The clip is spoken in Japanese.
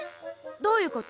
どういうこと？